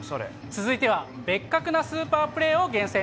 続いては、ベッカク！なスーパープレーを厳選。